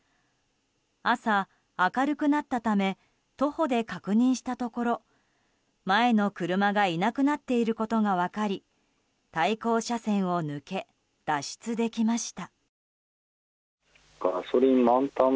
朝、明るくなったため徒歩で確認したところ前の車がいなくなっていることが分かり対向車線を抜け脱出できました。